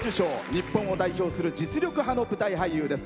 日本を代表する実力派の舞台俳優です。